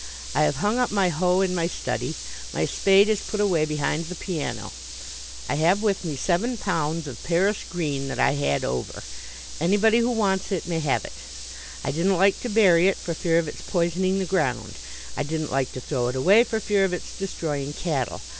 I have hung up my hoe in my study; my spade is put away behind the piano. I have with me seven pounds of Paris Green that I had over. Anybody who wants it may have it. I didn't like to bury it for fear of its poisoning the ground. I didn't like to throw it away for fear of its destroying cattle.